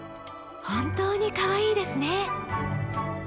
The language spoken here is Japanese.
本当にかわいいですね。